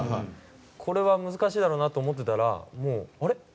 これは難しいだろうなと思ってたらあれ？